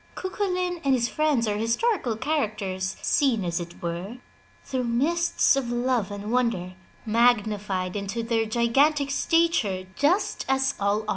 Cuculain and his friends are historical characters, seen as it were, through mists of love and wonder, magnified into their gigantic stature just as all art The Cuchulain by Standish O'Grady.